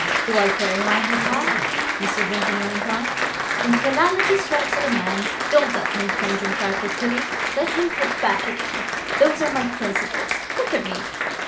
"Do I carry my head high?" Mr. Vimpany went on. "When calamity strikes at a man, don't let him cringe and cry for pity let him hit back again! Those are my principles. Look at me.